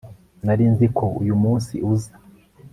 Nari nzi ko uyu munsi uza